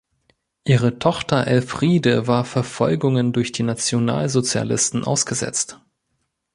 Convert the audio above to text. Ihre Tochter Elfriede war Verfolgungen durch die Nationalsozialisten ausgesetzt.